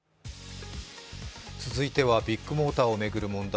続いてはビッグモーターを巡る問題。